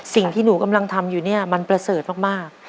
สิ่งที่หนูกำลังทำอยู่เนี่ยมันประเสริฐมาก